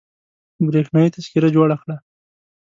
برېښنايي تذکره جوړه کړه